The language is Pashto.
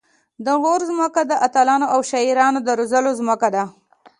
د غور ځمکه د اتلانو او شاعرانو د روزلو ځمکه ده